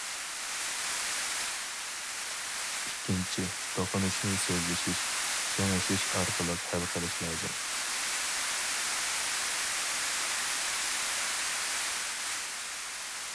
ئىككىنچى، توقۇنۇشنى سۆزلىشىش، كېڭىشىش ئارقىلىق ھەل قىلىش لازىم.